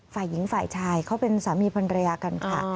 ฝ่ายหญิงฝ่ายชายเขาเป็นสามีพันรยากันค่ะ